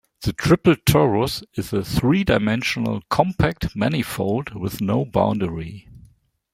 The triple torus is a three-dimensional compact manifold with no boundary.